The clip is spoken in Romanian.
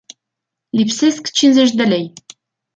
Lipsesc cincizeci de lei.